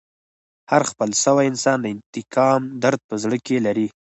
هر خپل سوی انسان د انتقام درد په زړه کښي لري.